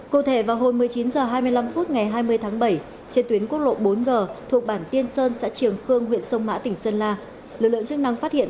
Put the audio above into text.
cụ thể vào hồi một mươi chín h hai mươi năm phút ngày hai mươi tháng bảy trên tuyến quốc lộ bốn g thuộc bản tiên sơn xã trường khương huyện sông mã tp hcm